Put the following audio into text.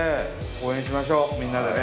応援しましょうみんなでね。